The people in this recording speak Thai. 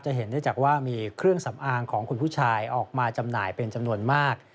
เห็นได้จากว่ามีเครื่องสำอางของคุณผู้ชายออกมาจำหน่ายเป็นจำนวนมาก